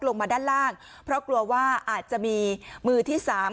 ลงมาด้านล่างเพราะกลัวว่าอาจจะมีมือที่สาม